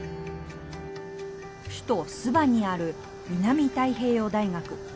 首都スバにある南太平洋大学。